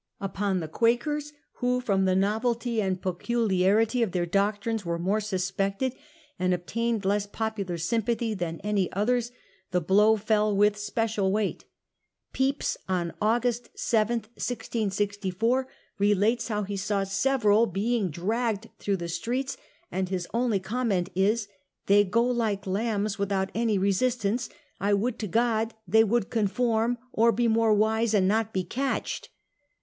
U pon the Quakers, who from the novelty and peculiarity of their doctrines were more suspected and obtained less popular sympathy than any others, the blow fell with special weight Pepys, on August 7, 1664, relates how he saw several being dragged through the streets, and his only comment is :* They go like lambs, without any resistance. I would to God they would conform, or be more wise and not be catched.